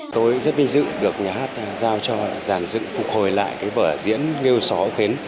tôi rất vinh dự được nhà hát giao cho giàn dựng phục hồi lại bởi diễn nghêu sò ốc hến